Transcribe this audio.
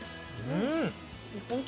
うん！